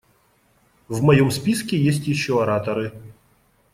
В моем списке еще есть ораторы.